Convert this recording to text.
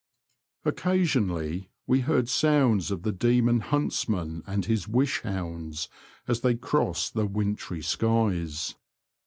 Oc casionally we heard sounds of the Demon Huntsman and his Wish hounds as they crossed the wintry skies.